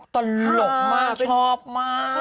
ตลกมากชอบมาก